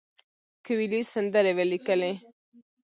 کویلیو سندرې ولیکلې.